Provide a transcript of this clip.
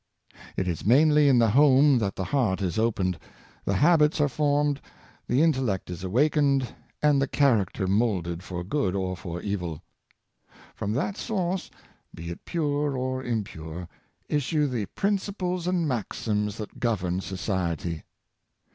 It is mainly in the home that the heart is opened, the habits are formed, the intellect is awakened, and character moulded for good or for evil. From that source, be it pure or impure, issue the principles and maxims that govern society.